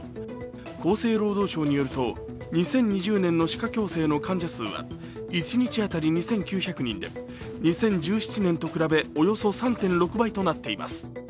厚生労働省によると、２０２０年の歯科矯正の患者数は一日当たり２９００人で、２０１７年と比べおよそ３．６倍となっています。